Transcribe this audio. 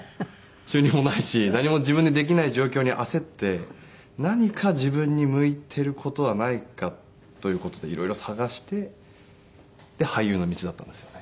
収入もないし何も自分でできない状況に焦って何か自分に向いてる事はないかという事で色々探してで俳優の道だったんですよね。